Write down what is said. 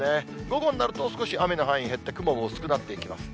午後になると、少し雨の範囲減って、雲も薄くなっていきます。